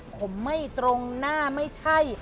ผมไม่ตรงหน้าไม่ใช่